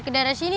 ke daerah sini